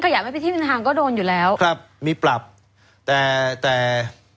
เขาอยากให้ที่ทางก็โดนอยู่แล้วครับมีปรับแต่แต่